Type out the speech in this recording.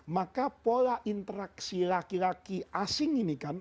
maka pola interaksi laki laki asing ini kan